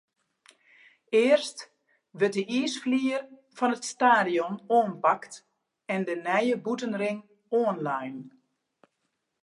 Earst wurdt de iisflier fan it stadion oanpakt en de nije bûtenring oanlein.